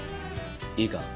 いいか？